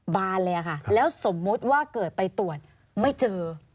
บานเลยค่ะแล้วสมมุติว่าเกิดไปตรวจไม่เจอ